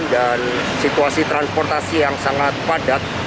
dan situasi transportasi yang sangat padat